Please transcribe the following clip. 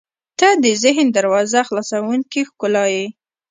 • ته د ذهن دروازه خلاصوونکې ښکلا یې.